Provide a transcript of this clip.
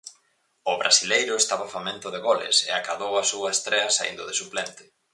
O brasileiro estaba famento de goles e acadou a súa estrea saíndo de suplente.